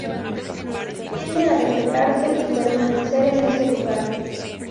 Tiende a respetarse y permanecer en ese lugar.